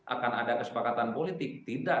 akan ada kesepakatan politik tidak